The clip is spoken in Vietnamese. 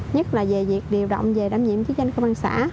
nhất là về việc điều động về đảm nhiệm chức danh của ban xã